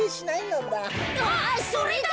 あそれだ！